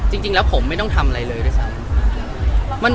จริงแล้วผมไม่ต้องทำอะไรเลยด้วยซ้ำ